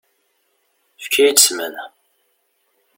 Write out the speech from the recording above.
Efk-iyi-d ssmana.